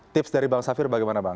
tips dari bang safir bagaimana bang